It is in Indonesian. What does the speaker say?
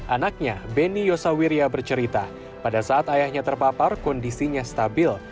anaknya beni yosawirya bercerita pada saat ayahnya terpapar kondisinya stabil